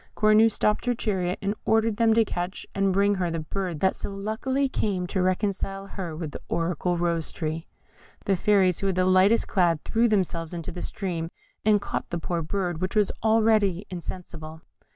Cornue stopped her chariot, and ordered them to catch and bring to her the bird that so luckily came to reconcile her with the oracular Rose tree. The fairies who were the lightest clad threw themselves into the stream, and caught the poor bird, which was already insensible.